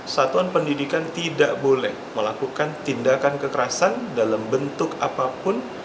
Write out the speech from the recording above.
satuan pendidikan tidak boleh melakukan tindakan kekerasan dalam bentuk apapun